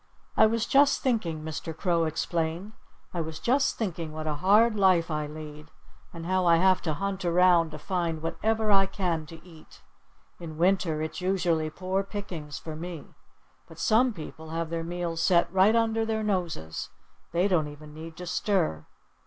"I was just thinking," Mr. Crow explained, "I was just thinking what a hard life I lead, and how I have to hunt around to find whatever I can to eat. In winter it's usually poor pickings for me. But some people have their meals set right under their noses. They don't even need to stir."